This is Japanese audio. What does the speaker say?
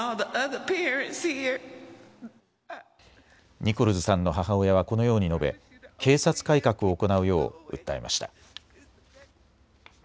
ニコルズさんの母親はこのように述べ警察改革を行うよう訴えました。